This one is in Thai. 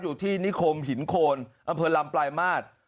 อยู่ที่นิคมหินโคนอำเภอลำปลายมาตร